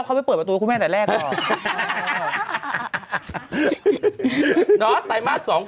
พี่ช่องเดินอยู่ข้างลังด้วย